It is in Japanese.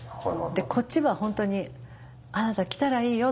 こっちは本当にあなた来たらいいよって。